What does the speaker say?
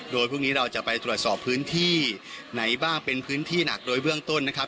โดยพรุ่งนี้เราจะไปตรวจสอบพื้นที่ไหนบ้างเป็นพื้นที่หนักโดยเบื้องต้นนะครับ